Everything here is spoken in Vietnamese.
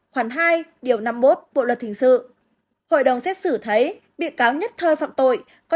khoảng hai điều năm mươi một bộ luật hình sự hội đồng xét xử thấy bị cáo nhất thơi phạm tội có